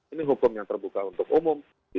ini hukum yang terbuka untuk umum